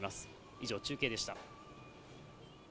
以上、中継でした。